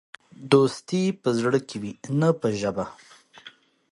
دوستي په زړه کې وي، نه په ژبه.